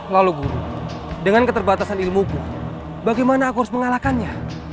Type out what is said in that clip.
lalu guru dengan keterbatasan ilmuku bagaimana aku harus mengalahkannya